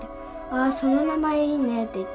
「ああその名前いいね」って言って。